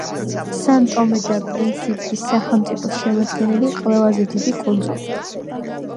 სან-ტომე და პრინსიპის სახელმწიფოს შემადგენელი ყველაზე დიდი კუნძული.